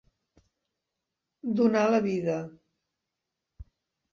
Donar la vida.